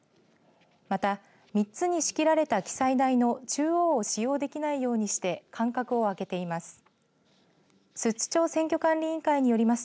また、３つに仕切られた記載台の中央を使用できないようにして間隔を空けています。